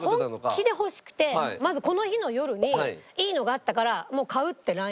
本気で欲しくてまずこの日の夜にいいのがあったからもう買うってＬＩＮＥして夫に。